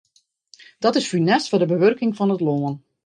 Dat is funest foar de bewurking fan it lân.